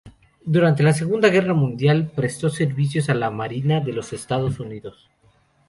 Durante la Segunda Guerra Mundial, prestó servicios a la Marina de los Estados Unidos.